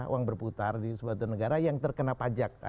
uang berputar di suatu negara yang terkena pajak